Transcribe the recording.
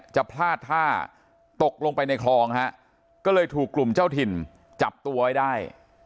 จะพลาดท่าตกลงไปในคลองฮะก็เลยถูกกลุ่มเจ้าถิ่นจับตัวไว้ได้